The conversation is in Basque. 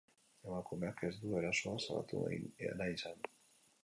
Emakumeak ez du erasoa salatu nahi izan.